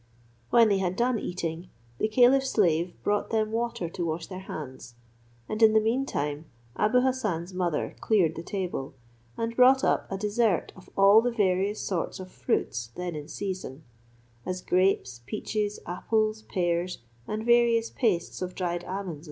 When they had done eating, the caliph's slave brought them water to wash their hands: and in the mean time Abou Hassan's mother cleared the table, and brought up a dessert of all the various sorts or fruits then in season; as grapes, peaches, apples, pears, and various pastes of dried almonds, &c.